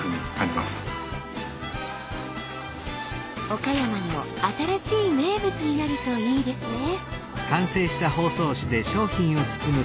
岡山の新しい名物になるといいですね。